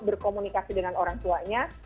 berkomunikasi dengan orang tuanya